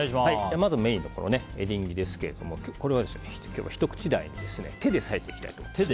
まずメインのエリンギですけど今日はひと口大に手で裂いていきたいと思います。